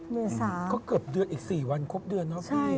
คือเกือบเดือนอีก๔วันครบเดือนนะครับพี่